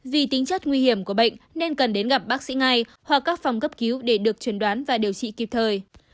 vì tính chất nguy hiểm của bệnh nên cần đến gặp bác sĩ ngay hoặc các phòng cấp cứu để được truyền đoán và điều trị kịp thời